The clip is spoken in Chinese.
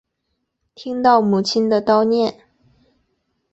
听到母亲的叨念